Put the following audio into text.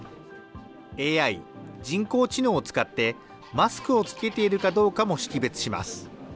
ＡＩ・人工知能を使って、マスクを着けているかどうかも識別します。